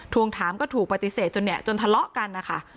วงถามก็ถูกปฏิเสธจนเนี่ยจนทะเลาะกันนะคะ